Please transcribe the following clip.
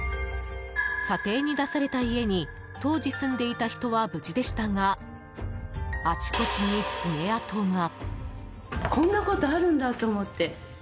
査定に出された家に当時住んでいた人は無事でしたがあちこちに爪痕が。